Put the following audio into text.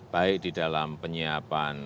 baik di dalam penyiapan